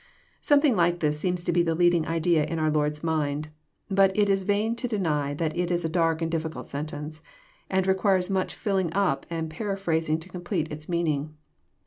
Something like this seems the leading idea in our Lord's mind. But it is vain to deny that it is a dark and difficult sentence, and requires much filling up and paraphrasing to complete its meaning.